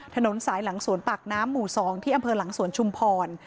ถนนสายหลังสวนปากน้ำหมู่๒ที่อำเภอหลังสวนชุมพร